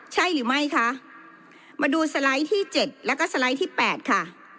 ใช่หรือไม่คะมาดูสไลด์ที่๗แล้วก็สไลด์ที่๘ค่ะ